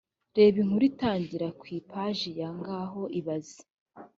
reba inkuru itangira ku ipaji ya ngaho ibaze